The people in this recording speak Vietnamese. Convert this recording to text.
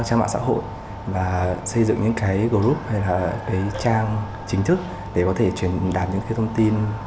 trang mạng xã hội và xây dựng những cái group hay là cái trang chính thức để có thể truyền đạt những cái thông tin